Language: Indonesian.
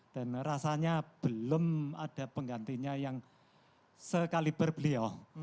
dan rasanya belum ada penggantinya yang sekaliber beliau